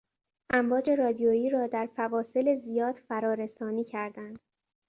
امواج رادیویی را در فواصل زیاد فرا رسانی کردند.